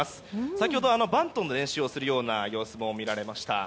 先ほどバントの練習をする様子も見られました。